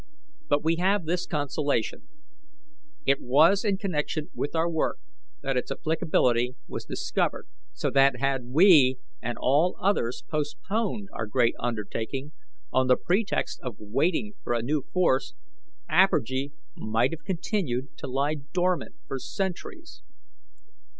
But we have this consolation: it was in connection with our work that its applicability was discovered, so that had we and all others postponed our great undertaking on the pretext of waiting for a new force, apergy might have continued to lie dormant for centuries.